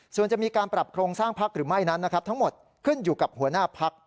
ส่วนจะมีการปรับโครงสร้างพักหรือไม่นั้นนะครับทั้งหมดขึ้นอยู่กับหัวหน้าพัก